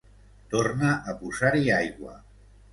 Torna a posar-hi aigua.